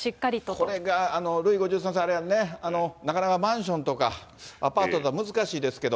これがルイ５３世、あれやね、なかなかマンションとかアパートじゃ難しいですけど。